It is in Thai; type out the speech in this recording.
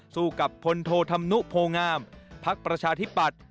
สู้กับพลโทธรรมนุโพงามพักประชาธิปัตย์